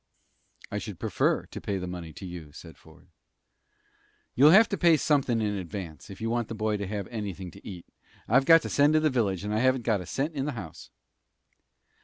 "I should prefer to pay the money to you," said Ford. "You'll have to pay somethin' in advance, if you want the boy to have anythin' to eat. I've got to send to the village, and I haven't got a cent in the house."